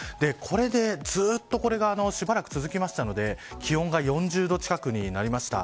ずっとこれがしばらく続いたので気温が４０度近くになりました。